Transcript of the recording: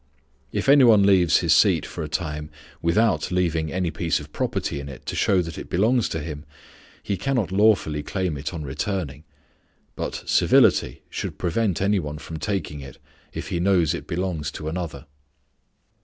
If any one leaves his seat for a time without leaving any piece of property in it to show that it belongs to him, he cannot lawfully claim it on returning; but civility should prevent any one from taking it, if he knows it belongs to another.